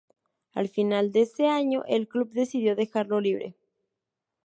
Al final de ese año el club decidió dejarlo libre.